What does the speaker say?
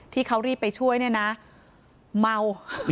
ที่เขารีบไปช่วยเนี่ยนะเมา